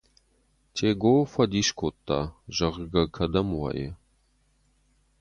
Тего фӕдис кодта, зӕгъгӕ, кӕдӕм уайы.